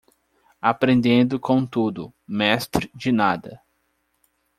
Aprendendo com tudo, mestre de nada.